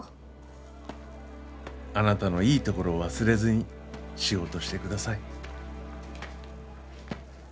あなたのいいところを忘れずに仕事してください。